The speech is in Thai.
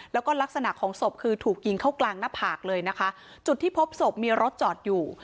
แล้วก็ลักษณะของศพคือถูกยิงเข้ากลางหน้าผากเลยนะคะจุดที่พบศพมีรถจอดอยู่